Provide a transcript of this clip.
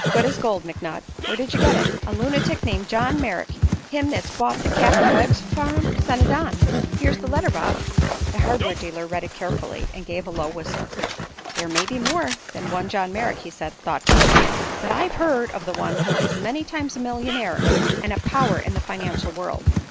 Good as gold, McNutt. Where did you get it?" "A lunitic named John Merrick, him that's bought the Cap'n Wegg farm, sent it on. Here's his letter, Bob." The hardware dealer read it carefully and gave a low whistle. "There may be more than one John Merrick," he said, thoughtfully. "But I've heard of one who is many times a millionaire and a power in the financial world.